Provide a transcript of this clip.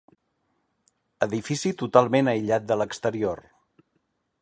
Edifici totalment aïllat de l'exterior.